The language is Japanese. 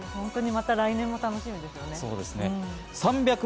また来年も楽しみです。